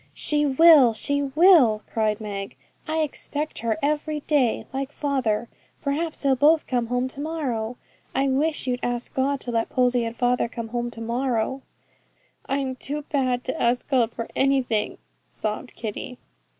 'She will, she will,' cried Meg. 'I expect her every day, like father. Perhaps they'll both come home to morrow. I wish you'd ask God to let Posy and father come home to morrow.' 'I'm too bad to ask God for anything,' sobbed Kitty.